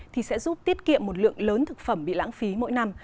thì sẽ giúp tiết kiệm một lượng lớn thực phẩm bị lãng phí mỗi năm